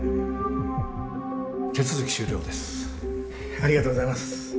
ありがとうございます。